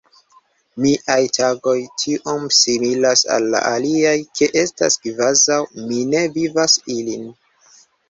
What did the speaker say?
Miaj tagoj tiom similas al la aliaj, ke estas kvazaŭ mi ne vivas ilin.